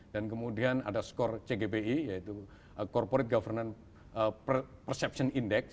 dan kemudian ada skor cgbi yaitu corporate governance perception index